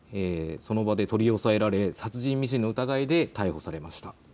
その場で取り押さえられ殺人未遂の疑いで逮捕されました。